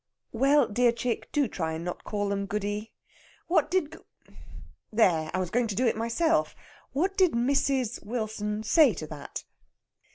"Well, dear chick, do try and not call them Goody. What did Goo there! I was going to do it myself. What did Mrs. Wilson say to that?"